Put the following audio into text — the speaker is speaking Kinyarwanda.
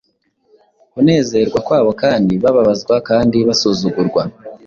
kunezerwa kwabo kandi bababazwa kandi basuzugurwa ,